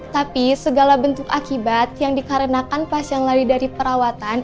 tapi segala bentuk akibat yang dikarenakan pas yang lari dari perawatan